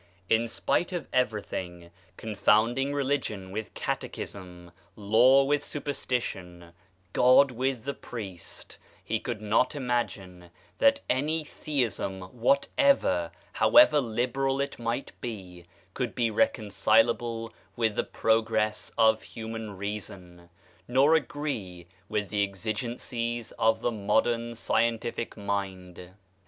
In spite of everything, confounding religion with catechism, law with superstition, God with the priest, he could not imagine that any theism whatever, however liberal it might be, could be reconcilable with the progress Of human reason, nor agree with the exigencies of the modern scientific mind.